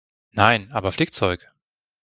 Nein, aber Flickzeug.